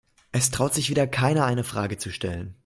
Es traut sich wieder keiner, eine Frage zu stellen.